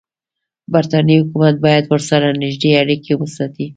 برټانیې حکومت باید ورسره نږدې اړیکې وساتي.